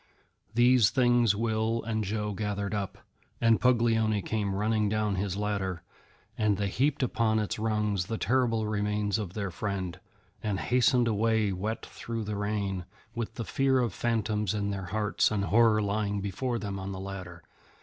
These things Will and Joe gathered up, and Puglioni came running down his ladder, and they heaped upon its rungs the terrible remains of their friend, and hastened away wet through with the rain, with the fear of phantoms in their hearts and horror lying before them on the ladder.